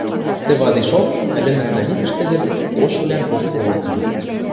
Тӹ вадешок ӹлӹмӹ станицӹштӹ гӹц ошывлӓм поктыл лыкна.